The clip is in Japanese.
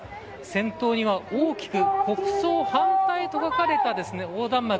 先頭には、大きく「国葬反対」と書かれた横断幕。